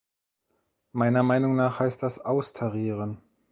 Meiner Meinung nach heißt das Austarieren.